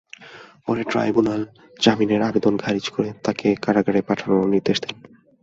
পরে ট্রাইব্যুনাল জামিনের আবেদন খারিজ করে তাঁকে কারাগারে পাঠানোর নির্দেশ দেন।